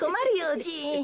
じい。